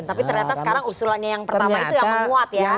tapi ternyata sekarang usulannya yang pertama itu yang menguat ya